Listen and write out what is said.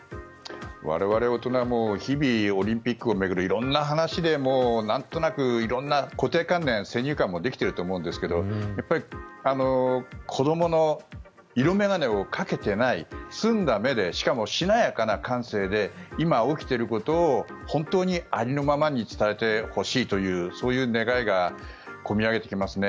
我々大人は日々オリンピックを巡る色んな話でなんとなく色んな固定観念先入観もできていると思うんですけど子どもの色眼鏡をかけていない澄んだ目で、しなやかな感性で今、起きていることを本当にありのままに伝えてほしいというそういう願いが込み上げてきますね。